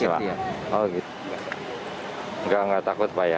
tidak tidak takut pak ya